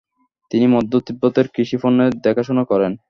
তিনি মধ্য তিব্বতের কৃষিপণ্যের দেখাশোনা করেন।